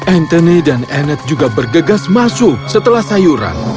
anthony dan enet juga bergegas masuk setelah sayuran